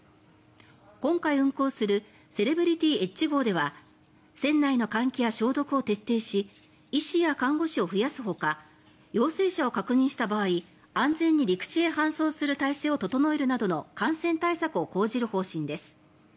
今回、運航する「セレブリティ・エッジ号」では船内の換気や消毒を徹底し医師や看護師を増やすほか陽性者を確認した場合安全に陸地へ搬送する体制を整えるなどの感染対策を講じる方針です。